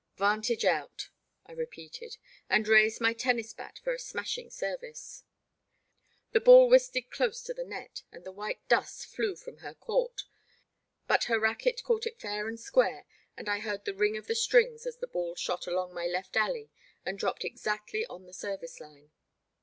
Vantage out," I repeated, and raised my ten nis bat for a smashing service. The ball whisted dose to the net, and the white dust flew from her It t( The Black Water. 1 3 1 court, but her racquet caught it fair and square and I heard the ring of the strings as the ball shot along my left alley and dropped exactly on the service line.